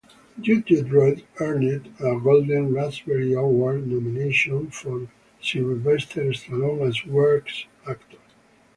"Judge Dredd" earned a Golden Raspberry Award nomination for Sylvester Stallone as Worst Actor.